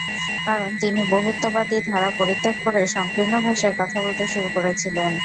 কারণ, তিনি বহুত্ববাদী ধারা পরিত্যাগ করে সংকীর্ণ ভাষায় কথা বলতে শুরু করেছিলেন।